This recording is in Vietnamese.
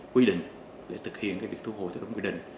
quy định để thực hiện việc thu hồi theo đúng quy định